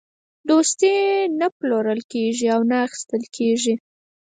دوستي نه پلورل کېږي او نه اخیستل کېږي.